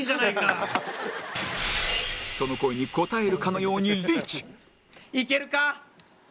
その声に応えるかのようにリーチ！